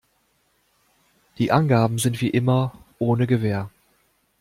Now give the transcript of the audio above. Die Angaben sind wie immer ohne Gewähr.